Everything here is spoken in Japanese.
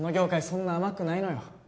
そんな甘くないのよ